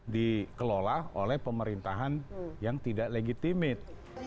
dikelola oleh pemerintahan yang tidak legitimit